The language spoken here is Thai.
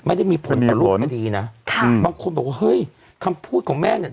ไม่ได้มีผลต่อรูปคดีนะค่ะบางคนบอกว่าเฮ้ยคำพูดของแม่เนี่ย